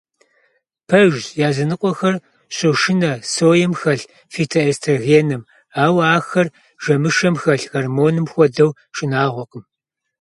Пэжщ, языныкъуэхэр щошынэ соем хэлъ фитоэстрогеным, ауэ ахэр жэмышэм хэлъ гормоным хуэдэу шынагъуэкъым.